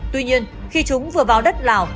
tuy nhiên khi chúng vừa vào đất lào